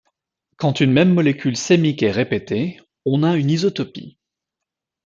Quand une même molécule sémique est répétée, on a une isotopie.